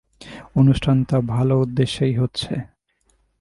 অনুষ্ঠানটা ভালো উদ্দেশ্যেই হচ্ছে।